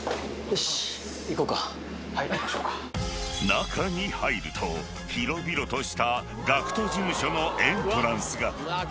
［中に入ると広々としたＧＡＣＫＴ事務所のエントランスが］